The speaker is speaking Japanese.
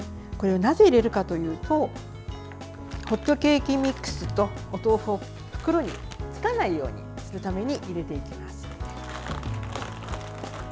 なぜ入れるかというとホットケーキミックスとお豆腐が袋につかないようにするために入れていきます。